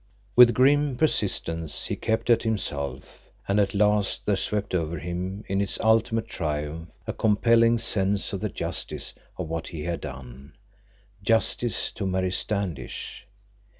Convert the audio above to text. With grim persistence he kept at himself, and at last there swept over him in its ultimate triumph a compelling sense of the justice of what he had done—justice to Mary Standish.